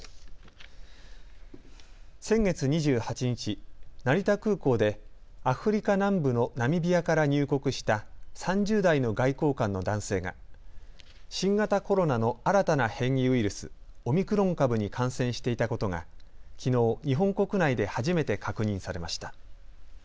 先月２８日、成田空港でアフリカ南部のナミビアから入国した３０代の外交官の男性が新型コロナの新たな変異ウイルス、オミクロン株に感染していたことがきのう、日本国内で初めて確認されました。